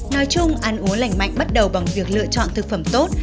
nói chung ăn uống lành mạnh bắt đầu bằng việc lựa chọn thực phẩm tốt